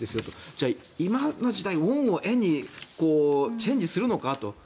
じゃあ、今の時代ウォンを円にチェンジするのかと。